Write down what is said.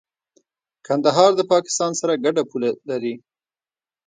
کندهار د پاکستان سره ګډه پوله لري.